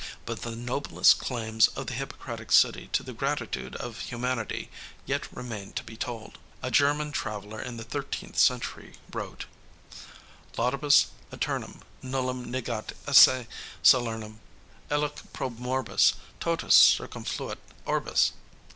" But the noblest claims of the Hippocratic city to the gratitude of humanity yet remain to be told. A German traveler in the thirteenth century wrote: "Laudibus æternum nullum negat esse Salernum Illuc pro morbis totus circumfluit orbis."